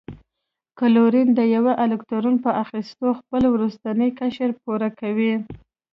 کلورین د یوه الکترون په اخیستلو خپل وروستنی قشر پوره کوي.